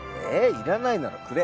いらないならくれ！